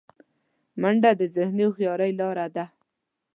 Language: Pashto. منډه د ذهني هوښیارۍ لاره ده